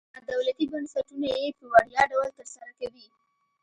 نادولتي بنسټونه یې په وړیا ډول تر سره کوي.